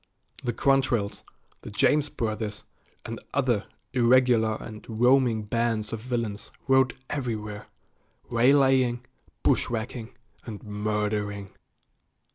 The Quantrells, the James Brothers, and other irregular and roaming bands of villains rode everywhere, waylaying, bushwhacking, and murdering.